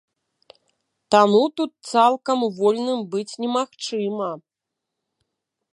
Таму тут цалкам вольным быць немагчыма.